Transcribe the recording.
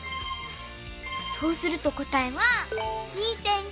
そうすると答えは２．５！